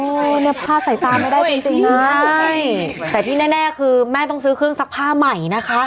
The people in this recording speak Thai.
เนี่ยผ้าใส่ตาไม่ได้จริงจริงนะใช่แต่ที่แน่คือแม่ต้องซื้อเครื่องซักผ้าใหม่นะคะ